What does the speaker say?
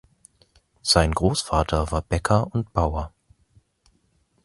Sein Großvater war Bäcker und Bauer.